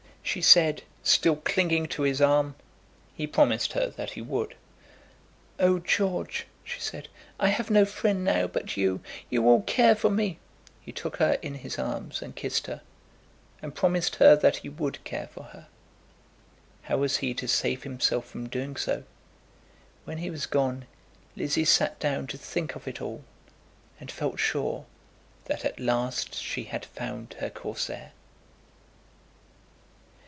she said, still clinging to his arm. He promised her that he would. "Oh, George," she said, "I have no friend now but you. You will care for me?" He took her in his arms and kissed her, and promised her that he would care for her. How was he to save himself from doing so? When he was gone, Lizzie sat down to think of it all, and felt sure that at last she had found her Corsair.